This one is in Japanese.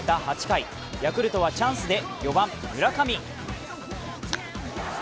８回、ヤクルトはチャンスで４番・村上。